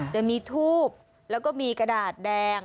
จะมีทูบแล้วก็มีกระดาษแดง